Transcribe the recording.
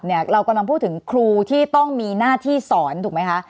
เรากำลังพูดถึงครูที่ต้องมีหน้าที่สอนถูกไหมคะ